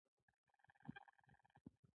هغه به پوستین اغوستې وې